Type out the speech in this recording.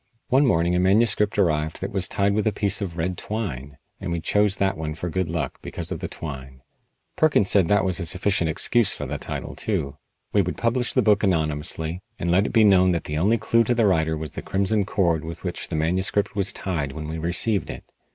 One morning a manuscript arrived that was tied with a piece of red twine, and we chose that one for good luck because of the twine. Perkins said that was a sufficient excuse for the title, too. We would publish the book anonymously, and let it be known that the only clue to the writer was the crimson cord with which the manuscript was tied when we received it.